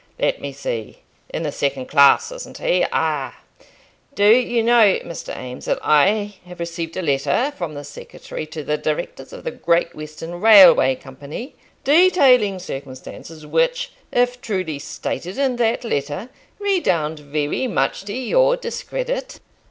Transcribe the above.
"Let me see; in the second class, isn't he? Ah! Do you know, Mr. Eames, that I have received a letter from the secretary to the Directors of the Great Western Railway Company, detailing circumstances which, if truly stated in that letter, redound very much to your discredit?"